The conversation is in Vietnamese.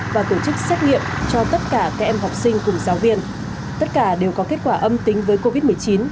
và tổ chức xét nghiệm cho tất cả các em học sinh cùng giáo viên tất cả đều có kết quả âm tính với covid một mươi chín